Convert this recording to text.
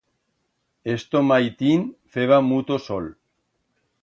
Esto maitín feba muto sol.